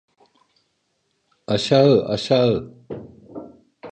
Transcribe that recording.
Aşağı, aşağı.